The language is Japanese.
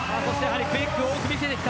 クイックを多く見せてきた。